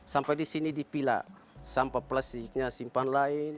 sampai di sini dipilak sampah plastiknya simpan lain